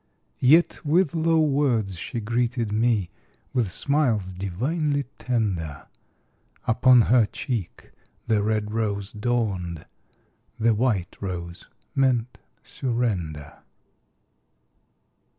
Yet with low words she greeted me, With smiles divinely tender; Upon her cheek the red rose dawned, The white rose meant surrender.